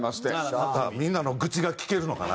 またみんなの愚痴が聞けるのかな？